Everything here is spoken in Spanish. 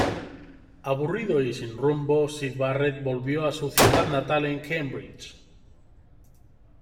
Aburrido y sin rumbo, Syd Barret volvió a su ciudad natal en Cambridge.